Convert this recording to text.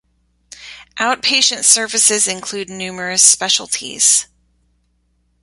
Outpatient services include numerous specialities.